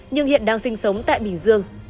nhưng hiện đang sinh sống tại bình dương